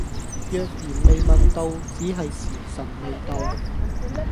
若然未問到，只係時晨未到